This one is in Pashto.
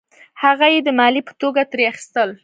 هغه یې د مالیې په توګه ترې اخیستل.